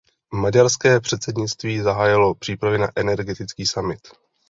Maďarské předsednictví zahájilo přípravy na energetický summit.